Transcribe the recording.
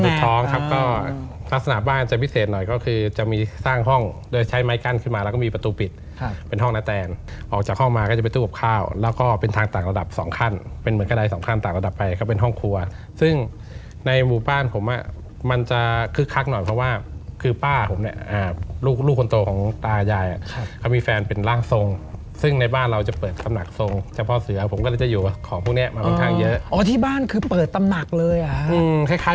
พี่น้องสุดท้องครับก็ลักษณะบ้านจะพิเศษหน่อยก็คือจะมีสร้างห้องโดยใช้ไม้กั้นขึ้นมาแล้วก็มีประตูปิดเป็นห้องนะแตนออกจากห้องมาก็จะไปตู้กับข้าวแล้วก็เป็นทางต่างระดับสองขั้นเป็นเหมือนกันได้สองขั้นต่างระดับไปก็เป็นห้องครัวซึ่งในหมู่บ้านผมมันจะคึกคักหน่อยเพราะว่าคือป้าผมเนี่ยลูกคนโตของตายาย